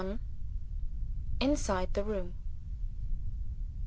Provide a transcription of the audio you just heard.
INSIDE THE ROOM.